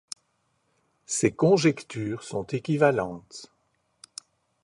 Ces conjectures sont équivalentes.